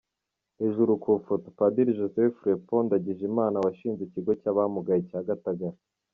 Hejuru ku ifoto : Padiri Joseph Fraipont Ndagijimana washinze ikigo cy’abamugaye cya Gatagara.